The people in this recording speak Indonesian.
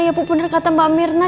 ya bu bener kata mbak mirna